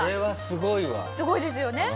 すごいですよね。